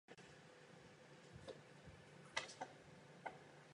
Jeden rok učil na základní škole Červené Domky v Hodoníně.